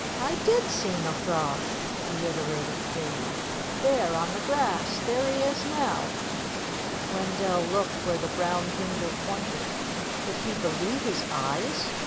"I did seen a frog," reiterated the baby. "There, on the grass. There he is now." Wendell looked where the brown finger pointed. Could he believe his eyes?